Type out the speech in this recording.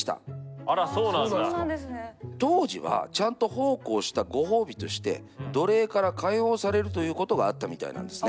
当時はちゃんと奉公したご褒美として奴隷から解放されるということがあったみたいなんですね。